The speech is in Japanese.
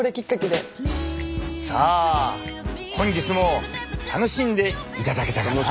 さあ本日も楽しんでいただけたかな？